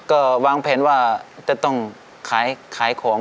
ก็วางแผนว่าจะต้องขายของ